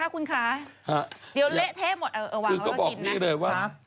คือก็บอกนี้เลยว่า